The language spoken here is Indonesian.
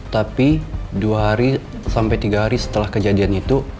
tapi dua hari sampai tiga hari setelah kejadian itu